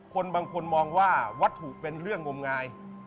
คนบางคนมองว่าวัตถุเป็นเรื่องงมงาย